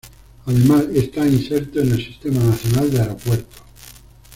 Además está inserto en el Sistema Nacional de Aeropuertos.